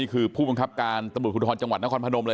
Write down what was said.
คือผู้มังคับการตมบุทธศาลจังหวัดนครพนม